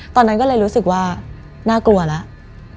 ตอนนั้นก็เลยรู้สึกว่าน่ากลัวแล้ว